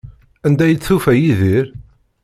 Anda ay d-tufa Yidir?